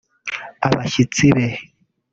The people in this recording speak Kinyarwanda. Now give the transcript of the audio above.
abashyitsi be